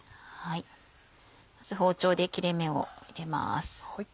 まず包丁で切れ目を入れます。